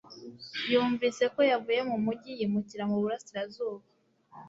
Numvise ko yavuye mu mujyi yimukira mu burasirazuba